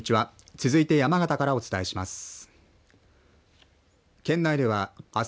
続いて山形からお伝えします。